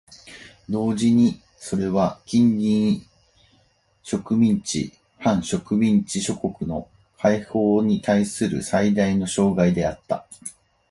同時にそれは近隣植民地・半植民地諸国の解放にたいする最大の障害であった。